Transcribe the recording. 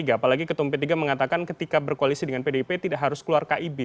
apalagi ketum p tiga mengatakan ketika berkoalisi dengan pdip tidak harus keluar kib